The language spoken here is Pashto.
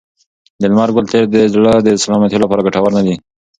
د لمر ګل تېل د زړه د سلامتیا لپاره ګټور نه دي.